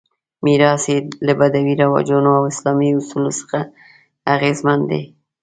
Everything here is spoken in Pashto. میراث یې له بدوي رواجونو او اسلامي اصولو څخه اغېزمن دی.